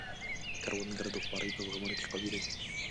کروندګر د خوارۍ په زغملو کې قوي دی